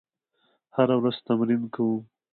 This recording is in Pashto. هره ورځ تمرین کوم.